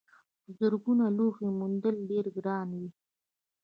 خو زرګونه لوحې موندل ډېر ګران وي.